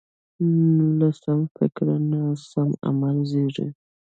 له سم فکر نه سم عمل زېږي.